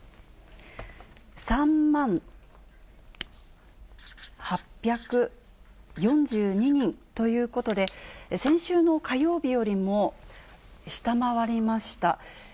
３万８４２人ということで、先週の火曜日よりも、下回りました。